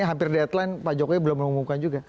hampir deadline pak jokowi belum mengumumkan juga